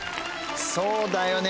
そうだよね！